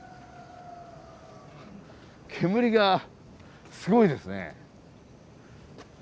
煙がすごいですね。